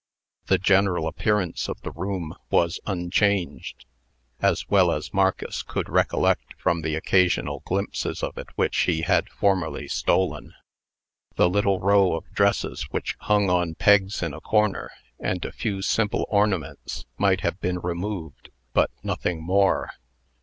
The general appearance of the room was unchanged, as well as Marcus could recollect from the occasional glimpses of it which he had formerly stolen. The little row of dresses which hung on pegs in a corner, and a few simple ornaments, might have been removed, but nothing more.